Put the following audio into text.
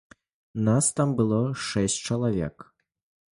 Нас там было шэсць чалавек.